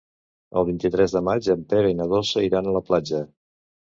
El vint-i-tres de maig en Pere i na Dolça iran a la platja.